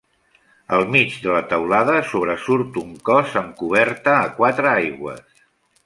Al mig de la teulada sobresurt un cos amb coberta a quatre aigües.